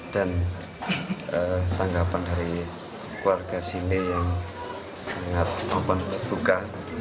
dan tanggapan dari keluarga sini yang sangat mampu berbuka